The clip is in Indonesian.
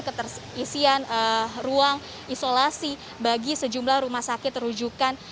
keterisian ruang isolasi bagi sejumlah rumah sakit rujukan